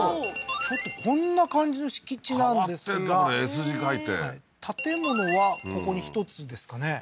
ちょっとこんな感じの敷地なんですが変わってるなこれＳ字書いて建物はここに１つですかね